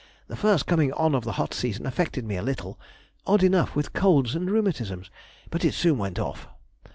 The first coming on of the hot season affected me a little (odd enough with colds and rheumatisms), but it soon went off.